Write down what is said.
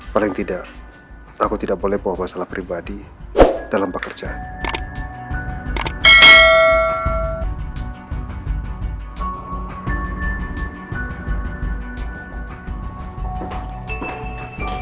paling tidak aku tidak boleh bawa masalah pribadi dalam pekerjaan